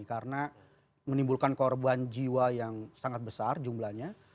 karena menimbulkan korban jiwa yang sangat besar jumlahnya